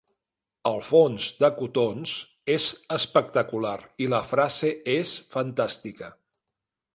El fons de cotons és espectacular i la frase és fantàstica.